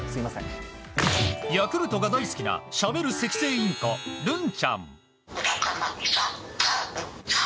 ヤクルトが大好きなしゃべるセキセイインコるんちゃん。